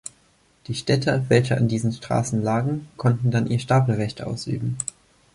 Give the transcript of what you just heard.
Die Städte, welche an diesen Straßen lagen, konnten dann ihr Stapelrecht ausüben.